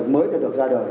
mới đã được ra đời